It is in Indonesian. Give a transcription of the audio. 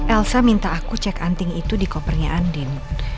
elsa minta aku cek anting itu di kopernya andin